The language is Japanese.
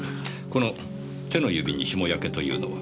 この手の指にしもやけというのは？